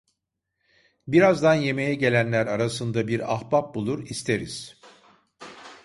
Birazdan yemeğe gelenler arasında bir ahbap bulur, isteriz…